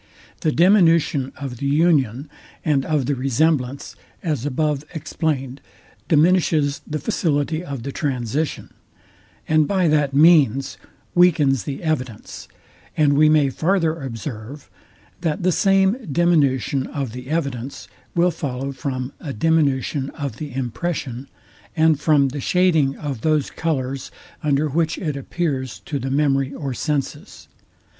The diminution of the union, and of the resemblance, as above explained, diminishes the facility of the transition, and by that means weakens the evidence; and we may farther observe, that the same diminution of the evidence will follow from a diminution of the impression, and from the shading of those colours, under which it appears to the memory or senses.